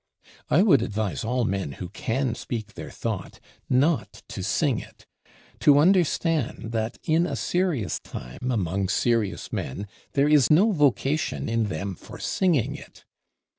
I would advise all men who can speak their thought, not to sing it; to understand that, in a serious time, among serious men, there is no vocation in them for singing it.